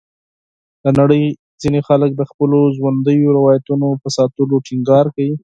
د نړۍ ځینې خلک د خپلو ژوندیو روایتونو په ساتلو ټینګار کوي.